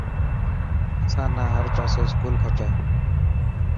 اسان نا هر پاسي اسڪول کپي.